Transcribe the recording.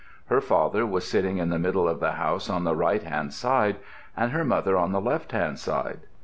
Her father was sitting in the middle of the house on the right hand side and her mother on the left hand side.